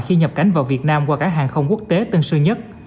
khi nhập cảnh vào việt nam qua cả hàng không quốc tế tân sư nhất